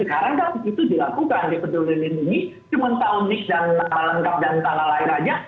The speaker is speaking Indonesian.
karena itu dilakukan dipedulikan mix cuma tahu mix dan mama lengkap dan mama lain aja